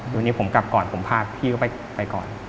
วันนี้ผมกลับก่อนผมพาพี่เขาไปก่อน